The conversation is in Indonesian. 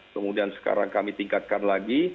kemudian sekarang kami tingkatkan lagi